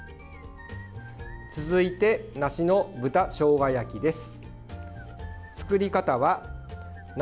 続いて、梨の豚しょうが焼きです。